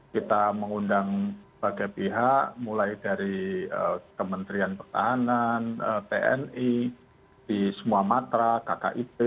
kita mengundang bagai pihak mulai dari kementerian pertahanan tni di semua matra kkip